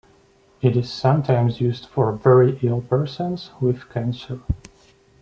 It is sometimes used for very ill persons with cancer.